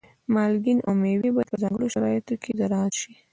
مالګین او مېوې باید په ځانګړو شرایطو کې زراعت شي.